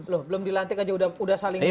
loh belum dilantik aja udah saling